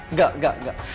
enggak enggak enggak